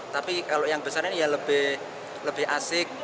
tapi kalau yang besar ini ya lebih asik